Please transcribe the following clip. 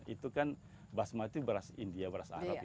itu kan basmati baras india baras arab